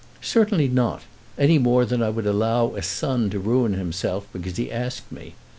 "Certainly not; any more than I would allow a son to ruin himself because he asked me.